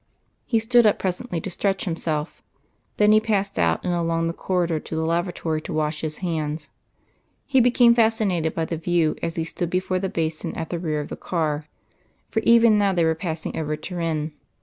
He stood up presently to stretch himself. Then he passed out and along the corridor to the lavatory to wash his hands. He became fascinated by the view as he stood before the basin at the rear of the car, for even now they were passing over Turin.